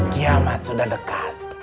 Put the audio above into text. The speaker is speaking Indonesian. kiamat sudah dekat